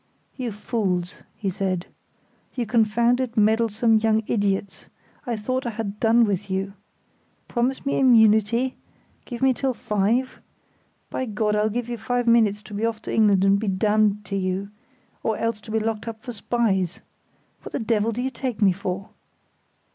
"You fools," he said, "you confounded meddlesome young idiots; I thought I had done with you. Promise me immunity? Give me till five? By God, I'll give you five minutes to be off to England and be damned to you, or else to be locked up for spies! What the devil do you take me for?"